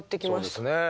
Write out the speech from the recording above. そうですね。